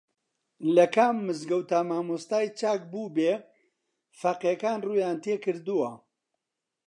لە کام مزگەوتدا مامۆستای چاک بووبێ فەقێکان ڕوویان تێکردووە